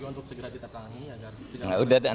jangan menjebak dulu nanti dpr nya marah